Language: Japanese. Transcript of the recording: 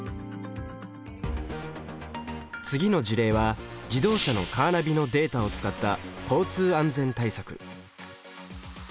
次の事例は自動車のカーナビのデータを使った交通安全対策。